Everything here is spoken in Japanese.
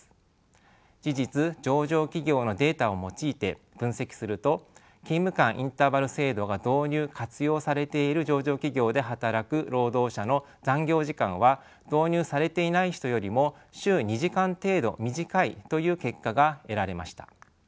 事実上場企業のデータを用いて分析すると勤務間インターバル制度が導入・活用されている上場企業で働く労働者の残業時間は導入されていない人よりも週２時間程度短いという結果が得られました。